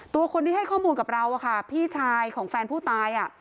ตัวคนที่ให้ข้อมูลกับเราอะค่ะพี่ชายของแฟนผู้ตาย